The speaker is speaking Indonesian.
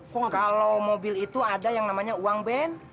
kalau mobil itu adalah yang namanya uang bensin